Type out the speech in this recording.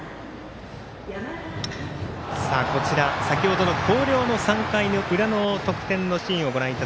先ほどの広陵の３回の裏の得点のシーンです。